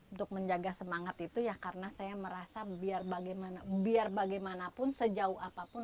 untuk menjaga semangat itu ya karena saya merasa biar bagaimanapun sejauh apapun